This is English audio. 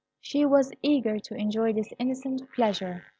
She was eager to enjoy this innocent pleasure.